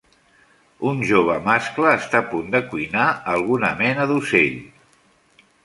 Un jove mascle està a punt de cuinar alguna mena d'ocell.